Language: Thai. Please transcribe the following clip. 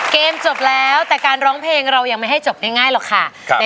เกมจบแล้วแต่การร้องเพลงเรายังไม่ให้จบง่ายหรอกค่ะ